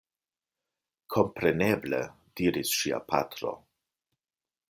Kompreneble! diris ŝia patro.